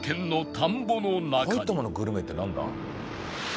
埼玉のグルメってなんだ？